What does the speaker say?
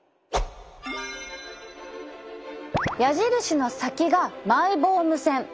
矢印の先がマイボーム腺。